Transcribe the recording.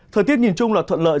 thời tiết nhìn chung là thuận lợi